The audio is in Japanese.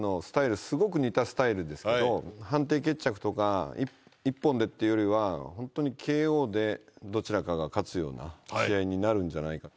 すごく似たスタイルですけど判定決着とか一本でというよりはホントにＫＯでどちらかが勝つような試合になるんじゃないかと。